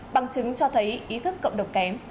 bằng chứng cho thấy ý thức cộng đồng kém